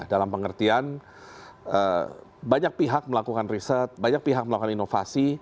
dalam pengertian banyak pihak melakukan riset banyak pihak melakukan inovasi